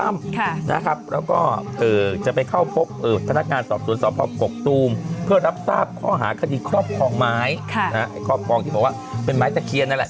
ครอบครองไม้ครอบครองที่บอกว่าเป็นไม้ตะเคียนนั่นแหละ